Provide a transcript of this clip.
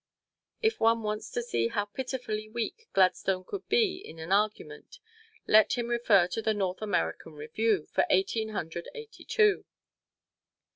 If one wants to see how pitifully weak Gladstone could be in an argument, let him refer to the "North American Review" for Eighteen Hundred Eighty two.